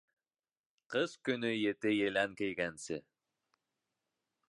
Ҡыш көнө ете елән кейгәнсе